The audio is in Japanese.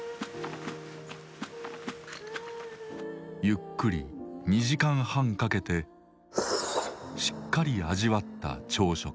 ゆっくり２時間半かけてしっかり味わった朝食。